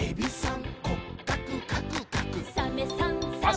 「サメさんサバさん」